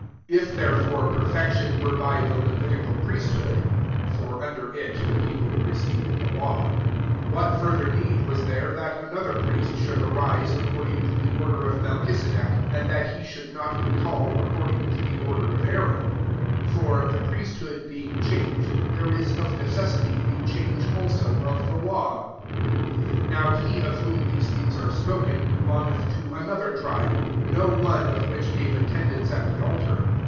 11 If therefore perfection were by the Levitical priest hood, (for under it the people received the law,) what further need waa there that another priest should arise according to the order of Melchisedec, and that he should not be called ac cording to the order of Aaron ? 12 For, the priesthood being phanged, there is of necessity a change also of the law. 13 Now he of whom these things are spoken belongeth to another tribe, no one of which gave attendance at the altar.